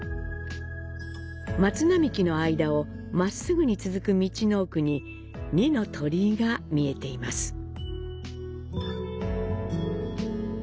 松並木の間を真っ直ぐに続く道の奥に二の鳥居が見えています。